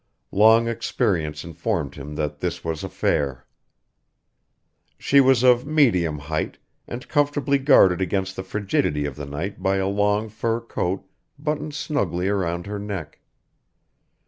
Long experience informed him that this was a fare. She was of medium height, and comfortably guarded against the frigidity of the night by a long fur coat buttoned snugly around her neck.